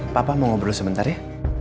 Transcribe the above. papa mau ngobrol sebentar ya